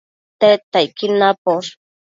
Tedtacquid naposh